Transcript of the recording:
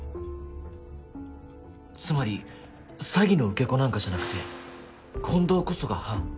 つまり詐欺の受け子なんかじゃなくて近藤こそがハン。